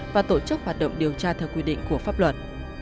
và tổ chức hoạt động điều tra theo quy định của pháp luật